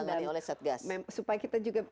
ditangani oleh satgas